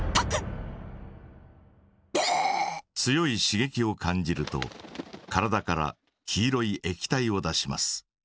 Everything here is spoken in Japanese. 強いしげきを感じると体から黄色い液体を出します。